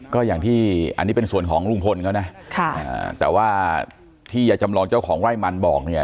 ก็อย่างที่อันนี้เป็นส่วนของลุงพลเขานะแต่ว่าที่ยายจำลองเจ้าของไร่มันบอกเนี่ย